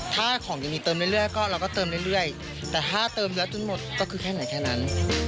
ถ้าของยังมีเติมเรื่อยก็เราก็เติมเรื่อยแต่ถ้าเติมแล้วจนหมดก็คือแค่ไหนแค่นั้น